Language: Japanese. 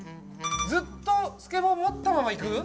ずっとスケボー持ったまま行く？